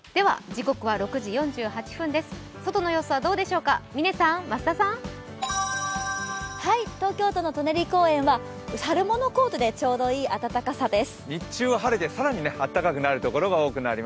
外の様子はどうでしょうか、嶺さん、増田さん、東京都の舎人公園は春物コートでちょうどいい暖かさです。